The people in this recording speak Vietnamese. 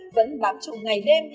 vẫn bám trùng ngày đêm